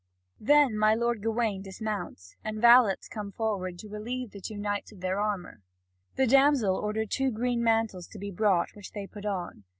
Then my lord Gawain dismounts, and valets come forward to relieve the two knights of their armour. The damsel ordered two green mantles to be brought, which they put on.